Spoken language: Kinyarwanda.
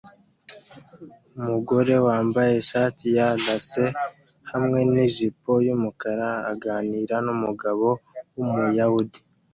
Umugore wambaye ishati ya lace hamwe nijipo yumukara aganira numugabo wumuyahudi